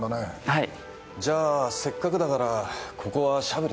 はい。